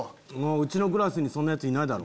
うちのクラスにそんなヤツいないだろ。